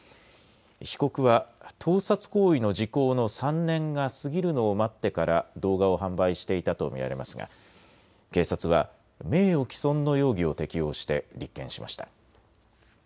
被告は盗撮行為の時効の３年が過ぎるのを待ってから動画を販売していたと見られますが警察は名誉毀損の容疑を適用して立件しました。